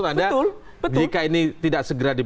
jadi tidak mungkin sendiri maksud anda